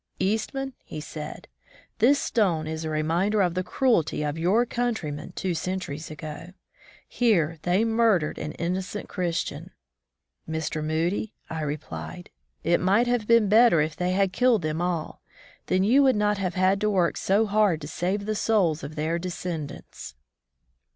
^'Eastman/' said he, '^this stone is a reminder of the cruelty of your countrymen two centuries ago. Here they murdered an innocent Chris tian.'* "Mr. Moody," I replied, it might have been better if they had killed them all. Then you would not have had to work so hard to save the souls of their descendants."